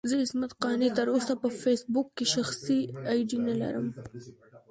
زه عصمت قانع تر اوسه په فېسبوک کې شخصي اې ډي نه لرم.